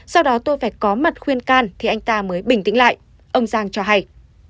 sau đó tôi phải có mặt khuyên can thì anh ta mới bình tĩnh lại ông giang cho hay